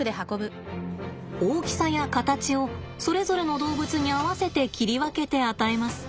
大きさや形をそれぞれの動物に合わせて切り分けて与えます。